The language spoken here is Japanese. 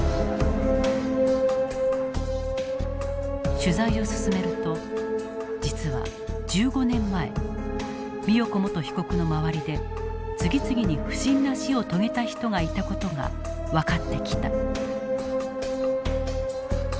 取材を進めると実は１５年前美代子元被告の周りで次々に不審な死を遂げた人がいた事が分かってきた。